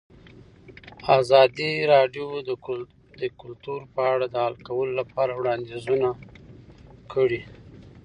ازادي راډیو د کلتور په اړه د حل کولو لپاره وړاندیزونه کړي.